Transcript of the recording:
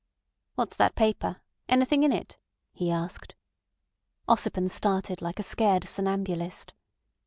"What's that paper? Anything in it?" he asked. Ossipon started like a scared somnambulist.